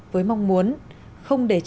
với mong muốn không để trẻ em